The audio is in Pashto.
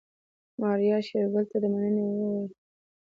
ماريا شېرګل ته د مننې وويل.